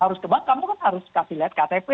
harus ke bank kamu kan harus kasih lihat ktp